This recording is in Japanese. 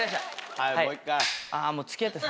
はいもう一回。